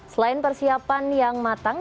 selain persiapan yang matang